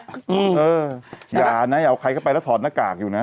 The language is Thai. เอออย่านะอย่าเอาใครเข้าไปแล้วถอดหน้ากากอยู่นะ